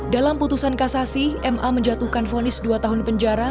dalam putusan kasasi ma menjatuhkan fonis dua tahun penjara